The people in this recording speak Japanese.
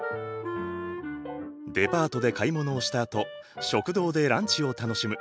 デパートで買い物をしたあと食堂でランチを楽しむ。